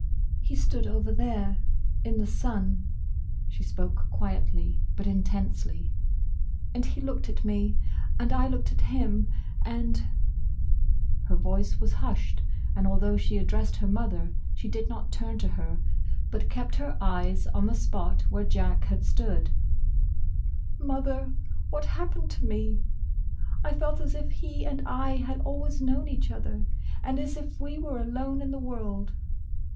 "He stood over there, in the sun"—she spoke quietly but intensely—"and he looked at me, and I looked at him; and—" her voice was hushed, and although she addressed her mother she did not turn to her, but kept her eyes on the spot where Jack had stood—"Mother! what happened to me? I felt as if he and I had always known each other, and as if we were alone in the world.